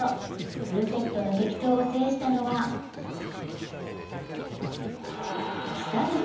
フルセットの激闘を制したのは久光。